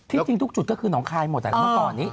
จริงทุกจุดก็คือหนองคายหมดเมื่อก่อนนี้